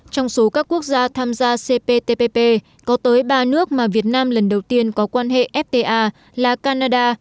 trong số các quốc gia tham gia cptpp có tới ba nước mà việt nam lần đầu tiên có quan hệ fta là canada